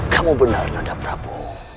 kamu benar nada prabu